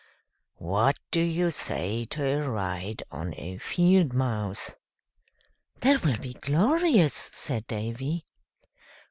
"What do you say to a ride on a field mouse?" "That will be glorious!" said Davy.